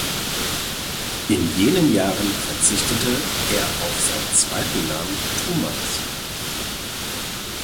In jenen Jahren verzichtete er auf seinen zweiten Namen Thomas.